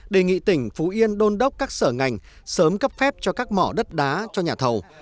đề nghị tỉnh phú yên đôn đốc các sở ngành sớm cấp phép cho các mỏ đất đá cho nhà thầu